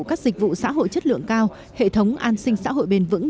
các dịch vụ xã hội chất lượng cao hệ thống an sinh xã hội bền vững